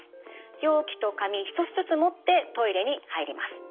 容器と紙１つずつ持ってトイレに入ります。